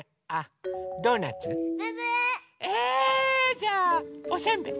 じゃあおせんべい。